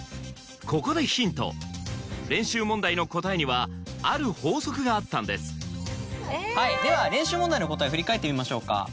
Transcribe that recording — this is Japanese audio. ここでヒント練習問題の答えにはある法則があったんですでは練習問題の答えを振り返ってみましょうか。